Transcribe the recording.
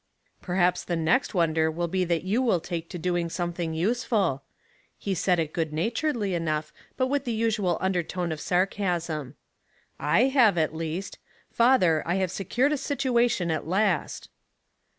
"Perhaps the next wonder will be that you will take to doing something useful." He said it good naturedly enough, but with the usual under tone of sarcasm. "/ have, at least. Father, 1 have secured a situation at last."